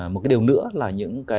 một cái điều nữa là những cái